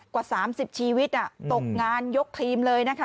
กว่า๓๐ชีวิตตกงานยกครีมเลยนะคะ